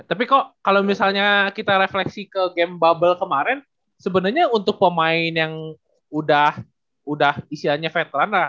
tapi kok kalau misalnya kita refleksi ke game bubble kemarin sebenarnya untuk pemain yang udah udah isiannya veteran lah